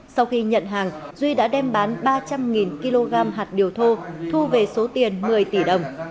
sau khi nhận hàng duy đã đem bán ba trăm linh kg hạt điều thô thu về số tiền một mươi tỷ đồng